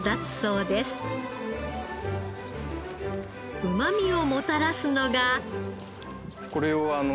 うまみをもたらすのが。